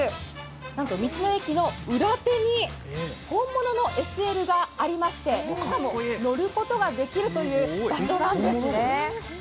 なんと道の駅の裏手に本物のＳＬがありましてしかも乗ることができるという場所なんですね